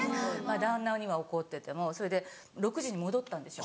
旦那には怒っててもそれで６時に戻ったんですよ。